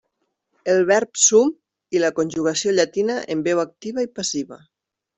El verb "sum" i la conjugació llatina en veu activa i passiva.